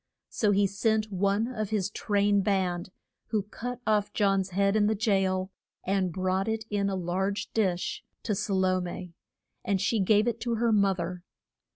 So he sent one of his train band, who cut off John's head in the jail, and brought it in a large dish to Sa lo me, and she gave it to her mo ther.